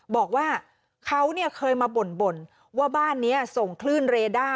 บอกว่าเขาเนี่ยเคยมาบ่นว่าบ้านนี้ส่งคลื่นเรด้า